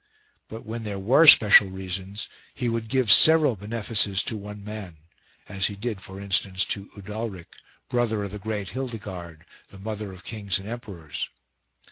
But when there were special reasons he would give several benefices to one man ; as he did for instance to Udalric, brother of the great Hildigard, the mother of kings and emperors.